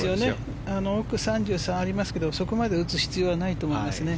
奥３３ありますがそこまで打つ必要はないと思います。